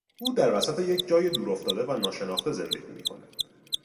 او در وسط یک جای دورافتاده و ناشناخته زندگی میکند.